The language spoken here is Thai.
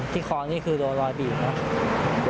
ที่คอนี่คือโดนรอยบีบครับ